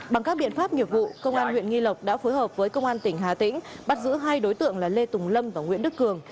bằng các biện pháp nghiệp vụ công an huyện nghi lộc đã phối hợp với công an tỉnh hà tĩnh bắt giữ hai đối tượng là lê tùng lâm và nguyễn đức cường